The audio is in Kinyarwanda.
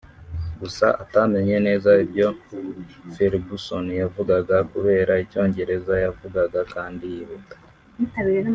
gusa atamenye neza ibyo Ferguson yavugaga kubera icyongereza yavugaga kandi yihuta